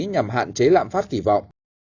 nhằm hạn chế lạm phát kỳ vọng